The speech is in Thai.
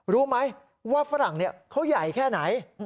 รู้ไหมว่าฝรั่งเขาใหญ่แค่ไหน